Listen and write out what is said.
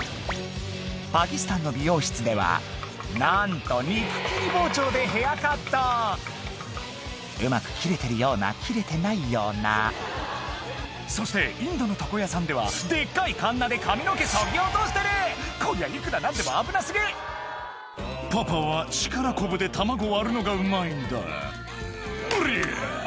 パキスタンの美容室ではなんと肉切り包丁でヘアカットうまく切れてるような切れてないようなそしてインドの床屋さんではデッカいカンナで髪の毛そぎ落としてるこりゃいくら何でも危な過ぎ「パパは力こぶで卵割るのがうまいんだ」「おりゃ！」